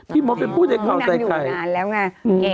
พี่มดเป็นผู้ใดเข้าใจไข้นางอยู่นานแล้วไง